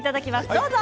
どうぞ。